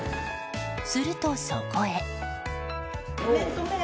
すると、そこへ。